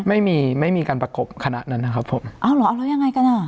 ไม่มีการประกบคณะนั้นนะครับผมเลย่ยังไงกันอ่ะ